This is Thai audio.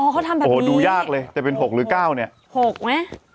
เขาทำแบบโอ้โหดูยากเลยจะเป็น๖หรือ๙เนี่ย๖ไหม